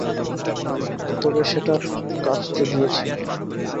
তবে সেটা কাঁচতে দিয়েছি।